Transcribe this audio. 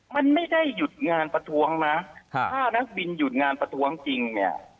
มันไม่ได้หยุดงานประท้วงนะถ้านักบินหยุดงานประท้วงจริงเนี่ย